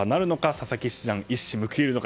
佐々木七段、一矢報いるのか。